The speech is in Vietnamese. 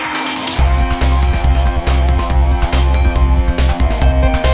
lúc em đi